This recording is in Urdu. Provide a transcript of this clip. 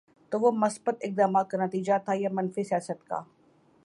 تو وہ مثبت اقدامات کا نتیجہ تھا یا منفی سیاست کا؟